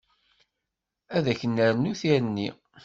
Ad k-nernu tirni.